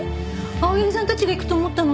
青柳さんたちが行くと思ったのに。